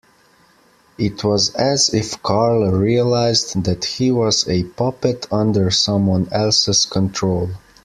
It was as if Carl realised that he was a puppet under someone else's control.